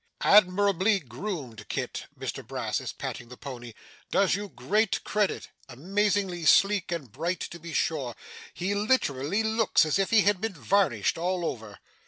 'Admirably groomed, Kit' Mr Brass is patting the pony 'does you great credit amazingly sleek and bright to be sure. He literally looks as if he had been varnished all over.